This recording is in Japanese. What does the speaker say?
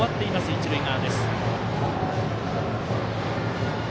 一塁側。